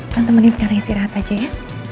tante mending sekarang istirahat aja ya